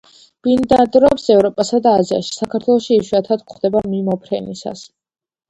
ბინადრობს ევროპასა და აზიაში; საქართველოში იშვიათად გვხვდება მიმოფრენისას.